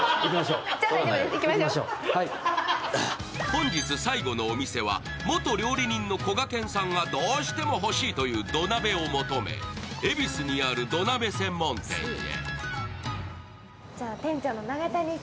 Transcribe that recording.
本日最後のお店は元料理人のこがけんさんがどうしても欲しいという土鍋を求め、恵比寿にある土鍋専門店へ。